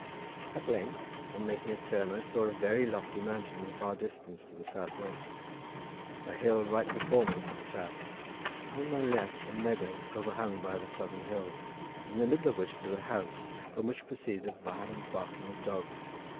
At length, on making a turn, I saw a very lofty mountain in the far distance to the south west, a hill right before me to the south, and on my left a meadow overhung by the southern hill, in the middle of which stood a house, from which proceeded a violent barking of dogs.